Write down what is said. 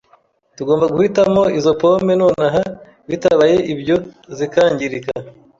Tugomba guhitamo izo pome nonaha, bitabaye ibyo zikangirika.